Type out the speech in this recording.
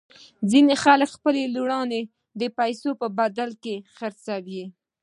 ځینې خلک خپلې لوڼې د پیسو په بدل کې خرڅوي.